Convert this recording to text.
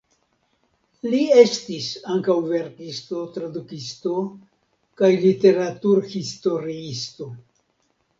Li estis ankaŭ verkisto, tradukisto kaj literaturhistoriisto.